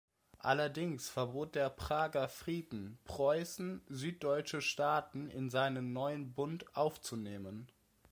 Allerdings verbot der Prager Frieden Preußen, süddeutsche Staaten in seinen neuen Bund aufzunehmen.